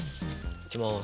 いきます。